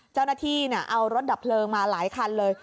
เจ้าหน้าที่เอารถดับเพลิงมาหลายคันเลย